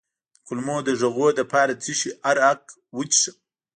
د کولمو د غږونو لپاره د څه شي عرق وڅښم؟